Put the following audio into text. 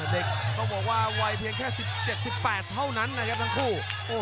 เด็กต้องบอกว่าวัยเพียงแค่๑๗๑๘เท่านั้นนะครับทั้งคู่